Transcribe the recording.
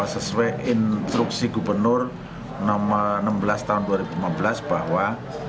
sesuai instruksi gubernur nomor enam belas tahun dua ribu lima belas bahwa